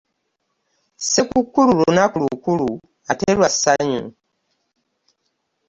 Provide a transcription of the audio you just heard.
Ssekukkulu lunaku lukulu ate lwa ssanyu.